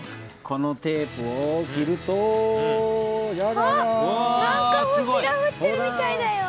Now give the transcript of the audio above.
このテープを切るとなんか星がふってるみたいだよ。